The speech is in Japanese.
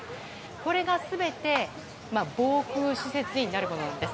これが全て防空施設になるものです。